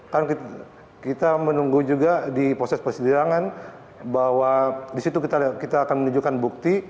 kan kita menunggu juga di proses persidangan bahwa disitu kita akan menunjukkan bukti